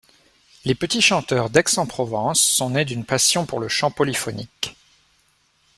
Les Petits Chanteurs d'Aix-en-Provence sont nés d'une passion pour le chant polyphonique.